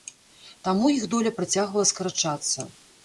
Таму іх доля працягвала скарачацца.